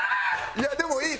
いやでもいい！